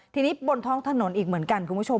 ทีนี้บนท้องถนนอีกเหมือนกันคุณผู้ชม